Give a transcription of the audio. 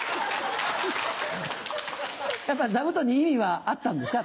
座布団に意味はあったんですか？